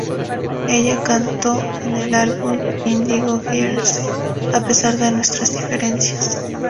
Ella cantó en el álbum "Indigo Girls" a pesar de nuestras diferencias.